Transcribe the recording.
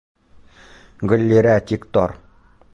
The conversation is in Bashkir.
Гөллирә, тик тор!